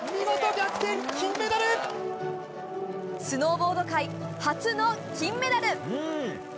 スノーボード界初の金メダル。